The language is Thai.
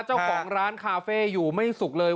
เจ้าของร้านคาเฟ่อยู่ไม่สุกเลย